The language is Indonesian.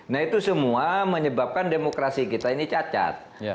nah itu semua menyebabkan demokrasi kita ini cacat